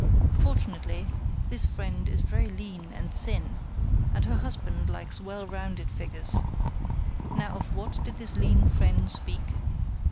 Fortunately, this friend is very lean and thin, and her husband likes well rounded figures. Now of what did this lean friend speak?